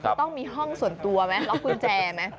ต้องมีห้องส่วนตัวมั้ยล็อกกุญแจมั้ย